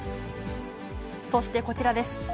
そしてこちらです。